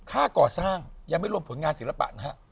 ค่าก่อสร้างยังไม่รวมผลงานศิลปะนะฮะ